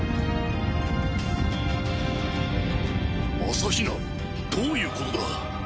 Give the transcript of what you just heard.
朝日奈どういうことだ？